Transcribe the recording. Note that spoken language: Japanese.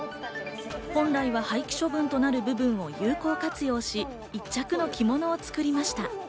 本来は廃棄処分となる部分を有効活用し、１着の着物を作りました。